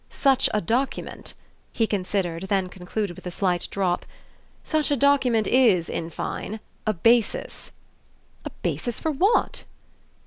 "Such a document" he considered, then concluded with a slight drop "such a document is, in fine, a basis!" "A basis for what?"